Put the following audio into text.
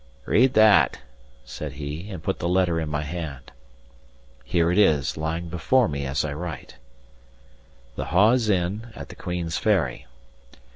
"Read that," said he, and put the letter in my hand. Here it is, lying before me as I write: "The Hawes Inn, at the Queen's Ferry.